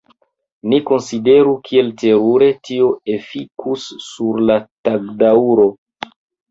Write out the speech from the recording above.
Ni konsideru kiel terure tio efikus sur la tagdaŭro.